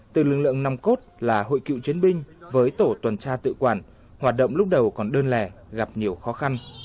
từ lương lượng năm cốt là hội cựu chiến binh với tổ tuần tra tự quản hoạt động lúc đầu còn đơn lè gặp nhiều khó khăn